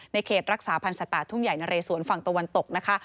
เขตรักษาพันธ์สัตว์ป่าทุ่งใหญ่นะเรสวนฝั่งตะวันตกนะคะ